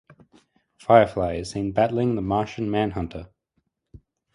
Firefly is seen battling the Martian Manhunter.